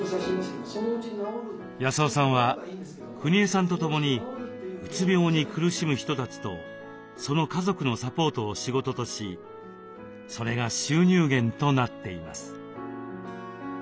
康雄さんはくにえさんと共にうつ病に苦しむ人たちとその家族のサポートを仕事としそれが収入源となっています。